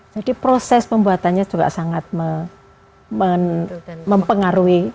jadi proses pembuatannya juga sangat mempengaruhi